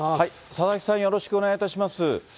佐々木さん、よろしくお願いいたします。